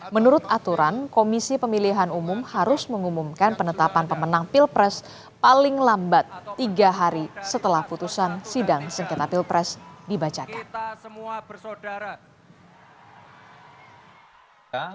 menurut aturan komisi pemilihan umum harus mengumumkan penetapan pemenang pilpres paling lambat tiga hari setelah putusan sidang sengketa pilpres dibacakan